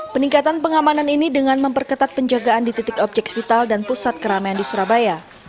peningkatan pengamanan ini dengan memperketat penjagaan di titik objek vital dan pusat keramaian di surabaya